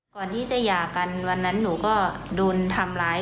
ก่อนที่จะหย่ากันวันนั้นหนูก็โดนทำร้าย